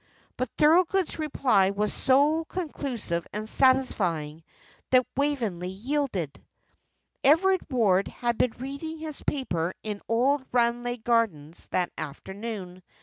But Thorold's reply was so conclusive and satisfying that Waveney yielded. Everard Ward had been reading his paper in old Ranelagh Gardens that afternoon.